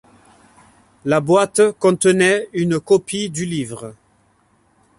La boîte contenait une copie du livre.